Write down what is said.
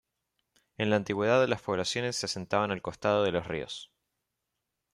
En la antigüedad las poblaciones se asentaban al costado de los ríos.